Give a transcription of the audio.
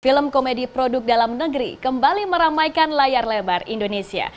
film komedi produk dalam negeri kembali meramaikan layar lebar indonesia